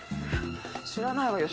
知らないわよ。